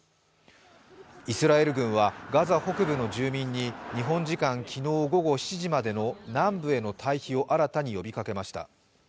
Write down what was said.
イスラエル軍はガザ北部の住民に日本時間昨日午後７時までの南部への退避を新たに呼びかけました。